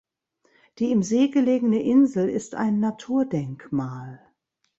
Die im See gelegene Insel ist ein Naturdenkmal.